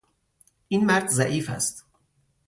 این مرد ضعیف است.